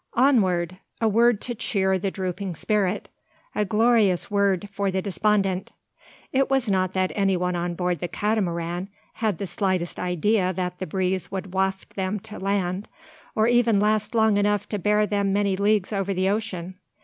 "Onward!" a word to cheer the drooping spirit, a glorious word for the despondent. It was not that anyone on board the Catamaran had the slightest idea that that breeze would waft them to land; or even last long enough to bear them many leagues over the ocean.